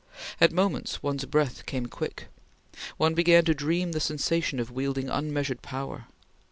At moments one's breath came quick. One began to dream the sensation of wielding unmeasured power.